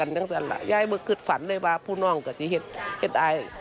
เราไม่ทำด้วยพฤติที่ดี